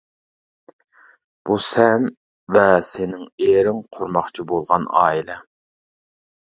بۇ سەن ۋە سېنىڭ ئېرىڭ قۇرماقچى بولغان ئائىلە.